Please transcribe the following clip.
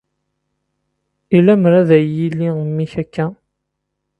I lemmer d ay yelli memmi-k akka?